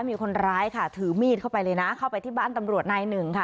มีคนร้ายค่ะถือมีดเข้าไปเลยนะเข้าไปที่บ้านตำรวจนายหนึ่งค่ะ